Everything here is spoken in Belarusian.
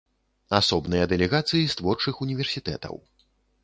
Асобныя дэлегацыі з творчых універсітэтаў.